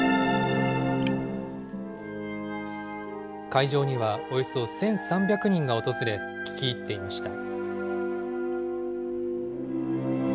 会場にはおよそ１３００人が訪れ、聴き入っていました。